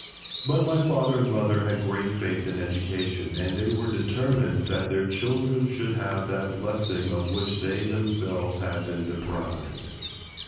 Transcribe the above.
But my father and mother had great faith in education, and they were determined that their children should have that blessing of which they themselves had been deprived.